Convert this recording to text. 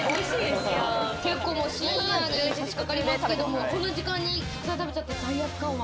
深夜にさしかかりますけれども、この時間に食べちゃって罪悪感は？